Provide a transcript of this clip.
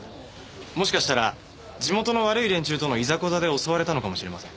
もしかしたら地元の悪い連中とのいざこざで襲われたのかもしれません。